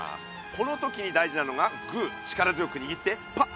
この時に大事なのがグー力強くにぎってパッ！